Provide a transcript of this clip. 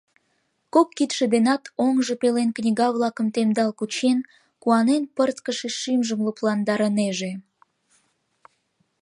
Кок кидше денат оҥжо пелен книга-влакым темдал кучен, куанен пырткыше шӱмжым лыпландарынеже.